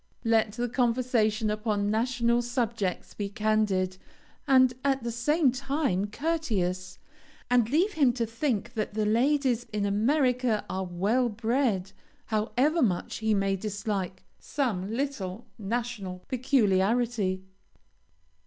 Let the conversation upon national subjects be candid, and at the same time courteous, and leave him to think that the ladies in America are well bred, however much he may dislike some little national peculiarity.